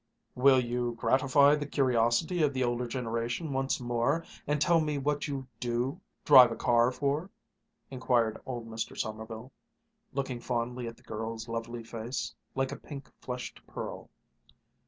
"Will you gratify the curiosity of the older generation once more, and tell me what you do drive a car for?" inquired old Mr. Sommerville, looking fondly at the girl's lovely face, like a pink flushed pearl.